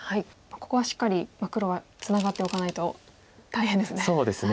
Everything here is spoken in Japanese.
ここはしっかり黒はツナがっておかないと大変ですね。